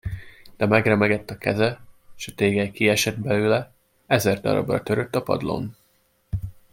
De megremegett a keze, s a tégely kiesett belőle, ezer darabra törött a padlón.